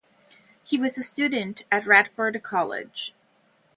He was a student at Radford College.